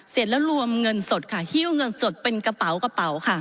เสร็จแล้วรวมเงินสดค่ะฮิ้วเงินสดเป็นกระเป๋ากระเป๋าค่ะ